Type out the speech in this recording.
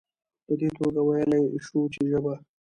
په دي توګه ويلايي شو چې ژبه